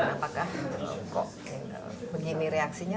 apakah kok begini reaksinya